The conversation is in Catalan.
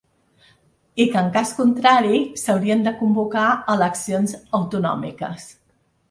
I que en cas contrari, s’haurien de convocar eleccions ‘autonòmiques’.